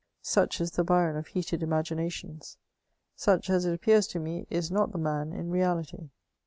Such is the Byron of heated imaginations ; sod, as ift ap pears to me, is not the man in rea&ty.